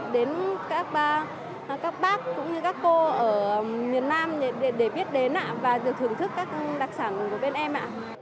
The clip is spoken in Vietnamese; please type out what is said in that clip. đến các bác cũng như các cô ở miền nam để biết đến ạ và được thưởng thức các đặc sản của bên em ạ